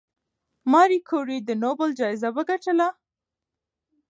ماري کوري د نوبل جایزه وګټله؟